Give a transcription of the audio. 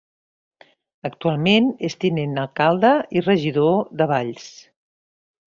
Actualment és tinent d'alcalde i regidor de Valls.